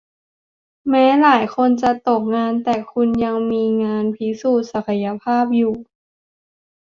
แม้หลายคนจะตกงานแต่คุณยังจะมีงานพิสูจน์ศักยภาพอยู่